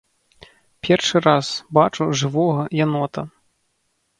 Першы раз бачу жывога янота.